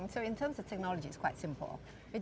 jadi dalam hal teknologi itu cukup mudah